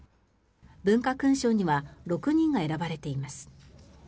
文化勲章には６人が選ばれています。